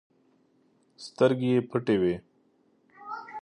سترګې يې پټې وې.